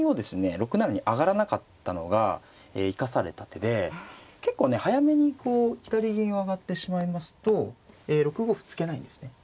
６七に上がらなかったのが生かされた手で結構ね早めにこう左銀を上がってしまいますと６五歩突けないんですね。